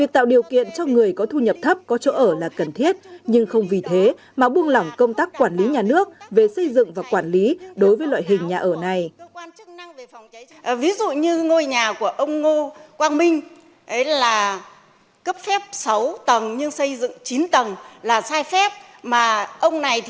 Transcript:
tạo điều kiện cho người có thu nhập thấp có chỗ ở là cần thiết nhưng không vì thế mà buông lỏng công tác quản lý nhà nước về xây dựng và quản lý đối với loại hình nhà ở này